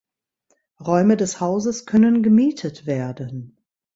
Räume des Hauses können gemietet werden.